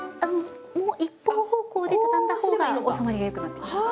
一方方向でたたんだほうが収まりがよくなってきます。